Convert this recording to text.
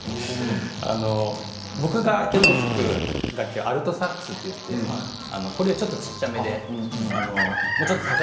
僕がよく吹くのはアルトサックスという楽器でこれはよりちょっとちっちゃめの。